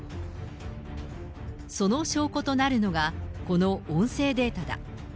その証拠となるのが、この音声データだ。